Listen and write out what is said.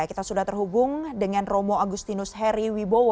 kita sudah terhubung dengan romo agustinus heri wibowo